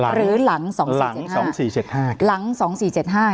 หรือหลังสองเสียงสองสี่เจ็ดห้าหลังสองสี่เจ็ดห้า